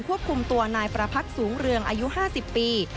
ควบคุมตัวนายประพักษ์สูงเรืองอายุ๕๐ปี